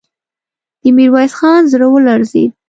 د ميرويس خان زړه ولړزېد.